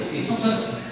khiến sốc sơ